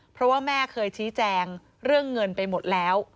เพราะว่าแม่เคยชี้แจงเรื่องเงินไปหมดแล้ว